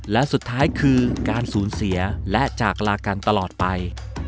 และสุดท้ายคือการสูญเสียและจากลากันตลอดไป